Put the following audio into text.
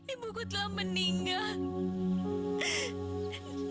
ibuku telah meninggal